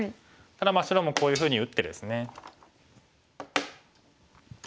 ただ白もこういうふうに打ってですね。